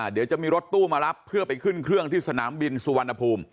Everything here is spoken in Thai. เดี๋ยวจะมีรถตู้มารับเพื่อไปขึ้นเครื่องที่สนามบินสุวรรณภูมิ